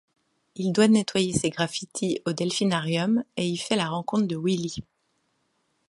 Il doit nettoyer ses graffitis au delphinarium et y fait la rencontre de Willy.